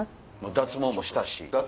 脱毛もしたし。